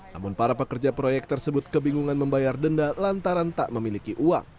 namun para pekerja proyek tersebut kebingungan membayar denda lantaran tak memiliki uang